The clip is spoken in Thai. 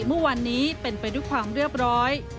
เมื่อวานนี้เป็นไปด้วยความเรียบร้อย